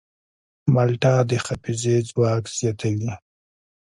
مالټه د حافظې ځواک زیاتوي.